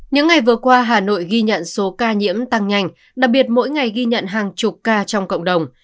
những ngày vừa qua hà nội ghi nhận số ca nhiễm tăng nhanh đặc biệt mỗi ngày ghi nhận hàng chục ca trong cộng đồng